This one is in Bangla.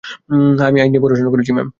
আমি আইন নিয়ে পড়াশোনা করেছি, ম্যাম।